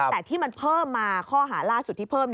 แต่ที่มันเพิ่มมาข้อหาล่าสุดที่เพิ่ม